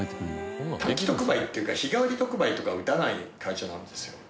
短期特売っていうか日替わり特売とか打たない会社なんですよ。